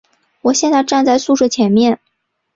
我现在站在宿舍前面